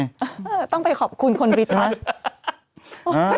เออต้องไปขอบคุณคนบิ๊กนะใช่